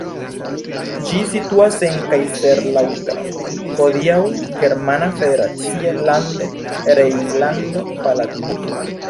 Ĝi situas en Kaiserslautern, hodiaŭ germana federacia lando Rejnlando-Palatinato.